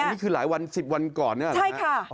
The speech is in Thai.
นี่คือหลายวัน๑๐วันก่อนนี่หรือไหมคะอ๋อ